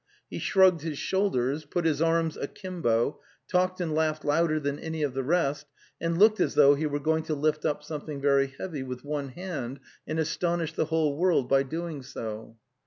He _ shrugged his shoulders, put his arms akimbo, talked and laughed louder than any of the rest, and looked as though he were going to lift up something: very heavy with one hand and astonish the whole world by doing so.